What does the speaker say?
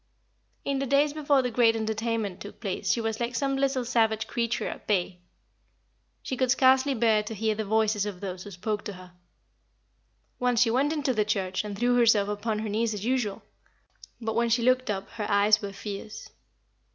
In the days before the great entertainment took place she was like some little savage creature at bay. She could scarcely bear to hear the voices of those who spoke to her. Once she went into the church and threw herself upon her knees as usual, but when she looked up her eyes were fierce.